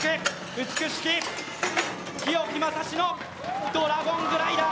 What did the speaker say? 美しき日置将士のドラゴングライダー！